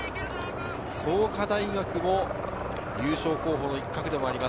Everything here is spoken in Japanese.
創価大学も優勝候補の一角でもあります。